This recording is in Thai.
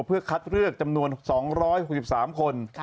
เพื่อคัดเลือกจำนวน๒๖๓คน